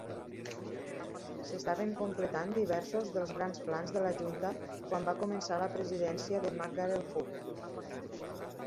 S'estaven completant diversos dels grans plans de la Junta quan va començar la presidència de McGarel-Hogg.